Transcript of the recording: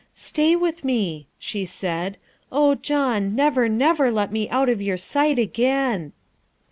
" Stay with me," she said. " Oh John, never, never let me out of your sight again.